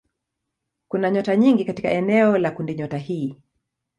Kuna nyota nyingi katika eneo la kundinyota hii.